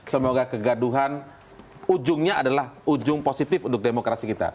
semoga kegaduhan ujungnya adalah ujung positif untuk demokrasi kita